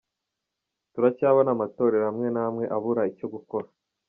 Turacyabona amatorero amwe n’amwe abura icyo gukora.